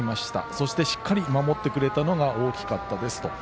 そしてしっかり守ってくれたのが大きかったですと。